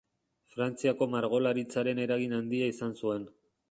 Frantziako margolaritzaren eragin handia izan zuen.